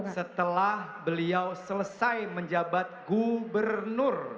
setelah beliau selesai menjabat gubernur